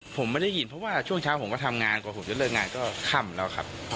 ผมไม่ได้ยินเพราะว่าช่วงเช้าผมก็ทำงานกว่าผมจะเลิกงานก็ค่ำแล้วครับ